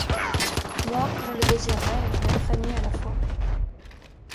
Moi, je le désirais et je le craignais à la fois.